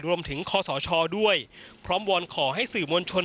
รวมถึงข้อสอชอด้วยพร้อมวอนขอให้สื่อมวลชน